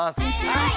はい！